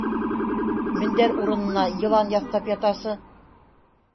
Мендәр урынына йылан яҫтап ятасы?!